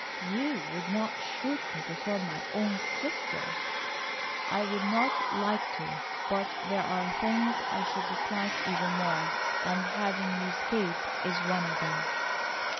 You would not shoot me before my own sister?" "I would not like to, but there are things I should dislike even more, and having you escape is one of them."